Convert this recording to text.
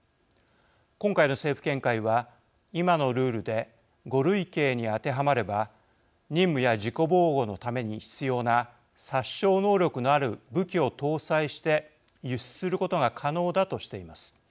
今回の政府見解は今のルールで５類型に当てはまれば任務や自己防護のために必要な殺傷能力のある武器を搭載して輸出することが可能だとしています。